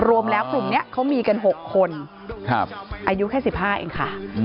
รวมแล้วกลุ่มนี้เขามีกัน๖คนอายุแค่๑๕เองค่ะ